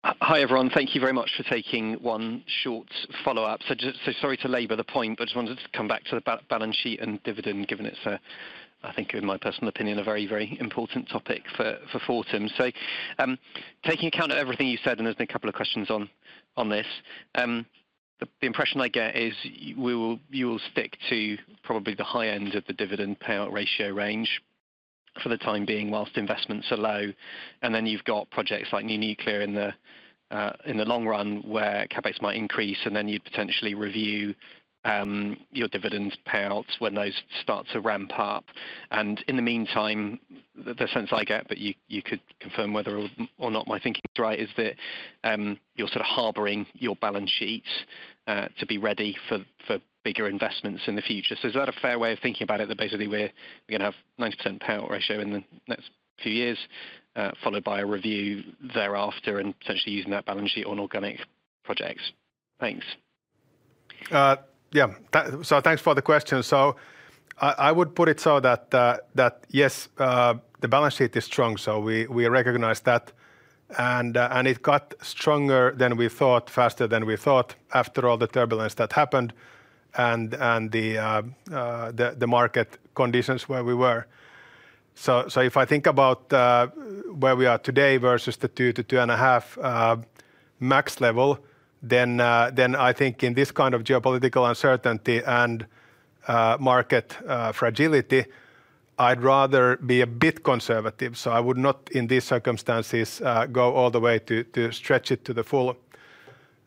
Hi, everyone. Thank you very much for taking one short follow-up. So just, so sorry to labor the point, but just wanted to come back to the balance sheet and dividend, given it's a, I think, in my personal opinion, a very, very important topic for, for Fortum. So, taking account of everything you said, and there's been a couple of questions on, on this, the, the impression I get is you will stick to probably the high end of the dividend payout ratio range for the time being, whilst investments are low. And then you've got projects like new nuclear in the, in the long run, where CapEx might increase, and then you'd potentially review, your dividends payouts when those start to ramp up. In the meantime, the sense I get, but you could confirm whether or not my thinking is right, is that, you're sort of harboring your balance sheet to be ready for bigger investments in the future. So is that a fair way of thinking about it, that basically we're gonna have 90% payout ratio in the next few years, followed by a review thereafter, and potentially using that balance sheet on organic projects? Thanks. Yeah. So thanks for the question. So I would put it so that that yes, the balance sheet is strong, so we recognize that. And it got stronger than we thought, faster than we thought, after all the turbulence that happened and the market conditions where we were. So if I think about where we are today versus the 2 to 2.5 max level, then I think in this kind of geopolitical uncertainty and market fragility, I'd rather be a bit conservative. So I would not, in these circumstances, go all the way to stretch it to the full.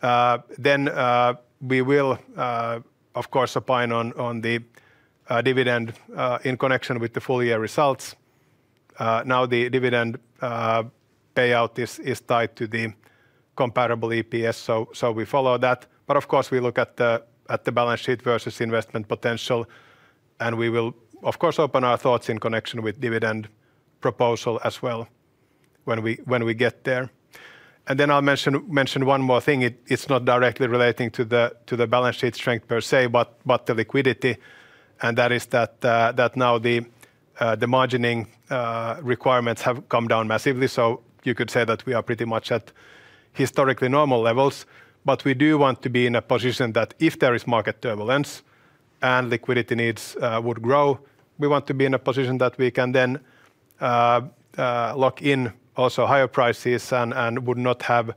Then we will, of course, opine on the dividend in connection with the full-year results. Now the dividend payout is tied to the comparable EPS, so we follow that. But of course, we look at the balance sheet versus investment potential, and we will, of course, open our thoughts in connection with dividend proposal as well when we get there. Then I'll mention one more thing. It's not directly relating to the balance sheet strength per se, but the liquidity, and that is that now the margining requirements have come down massively. So you could say that we are pretty much at historically normal levels, but we do want to be in a position that if there is market turbulence and liquidity needs would grow, we want to be in a position that we can then lock in also higher prices and would not have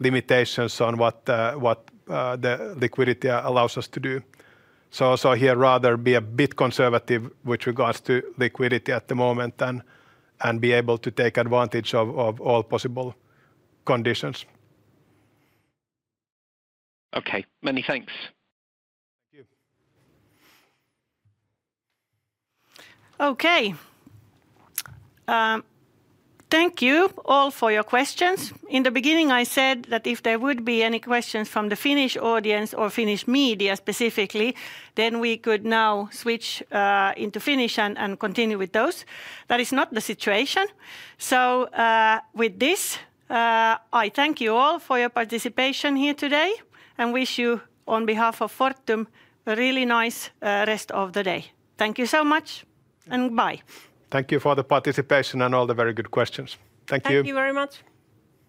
limitations on what the liquidity allows us to do. So here rather be a bit conservative with regards to liquidity at the moment than and be able to take advantage of all possible conditions. Okay, many thanks. Thank you. Okay. Thank you all for your questions. In the beginning, I said that if there would be any questions from the Finnish audience or Finnish media specifically, then we could now switch into Finnish and continue with those. That is not the situation. With this, I thank you all for your participation here today, and wish you, on behalf of Fortum, a really nice rest of the day. Thank you so much, and bye. Thank you for the participation and all the very good questions. Thank you. Thank you very much!